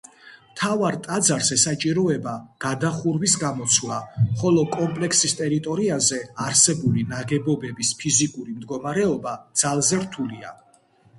მთავარ ტაძარს ესაჭიროება გადახურვის გამოცვლა, ხოლო კომპლექსის ტერიტორიაზე არსებული ნაგებობების ფიზიკური მდგომარეობა ძალზე რთულია.